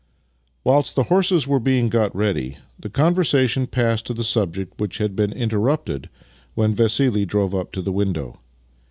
Whilst the horses were being got ready the con versation passed to the subject which had been inter rupted when Vassili drove up to the window.